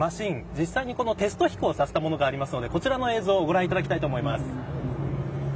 実際にテスト飛行させたものがありますのでこちらの映像をご覧ください。